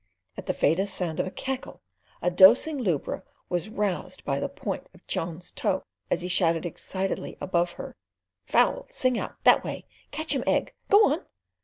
At the faintest sound of a cackle, a dosing lubra was roused by the point of Cheon's toe, as he shouted excitedly above her: "Fowl sing out! That way! Catch 'im egg! Go on!"